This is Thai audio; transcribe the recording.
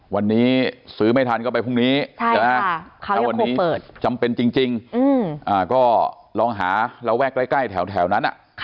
วันนี้ซื้อไม่ทันก็ไปพรุ่งนี้แล้ววันนี้จำเป็นจริงก็ลองหาระแวกใกล้แถวนั้น